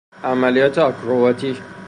عملیات آکروباتی